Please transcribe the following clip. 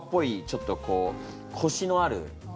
ちょっとこうコシのある。